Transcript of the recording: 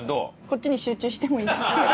こっちに集中してもいいですか？